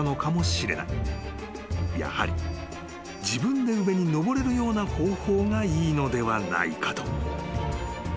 ［やはり自分で上に上れるような方法がいいのではないかと］